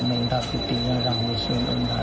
มันไม่แบบนี้เหมือนยังมีในมือเนอะ